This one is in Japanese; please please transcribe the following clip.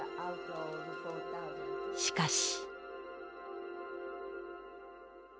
しかし。